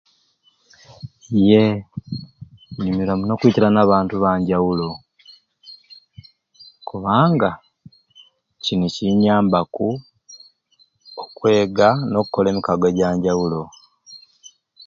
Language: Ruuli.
Yee nyumirwa muno okwitirana abantu abanjawulo kubanga kini kinyambaku okwega n'okukola emikago ejanjawulo